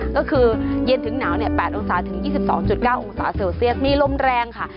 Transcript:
ก็คือเย็นถึงหนาว๘องศาถึง๒๒๙องศาเซลเซียสมีลมแรงค่ะ